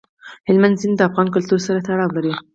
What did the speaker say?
هلمند سیند د افغان کلتور سره تړاو لري.